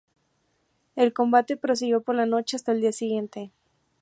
El combate prosiguió por la noche hasta el día siguiente.